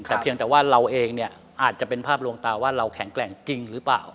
แต่เพียงแต่ว่าเราเองเนี่ยอาจจะเป็นภาพลวงตาว่าเราแข็งแกร่งจริงหรือเปล่า